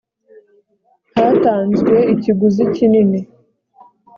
hatanzwe ikiguzi kinini